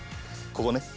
ここね。